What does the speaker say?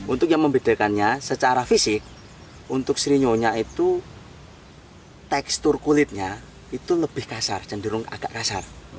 untuk yang membedakannya secara fisik untuk srinyonya itu tekstur kulitnya itu lebih kasar cenderung agak kasar